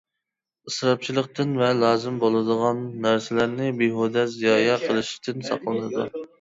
ئىسراپچىلىقتىن ۋە لازىم بولىدىغان نەرسىلەرنى بىھۇدە زايە قىلىشتىن ساقلىنىدۇ.